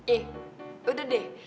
eh udah deh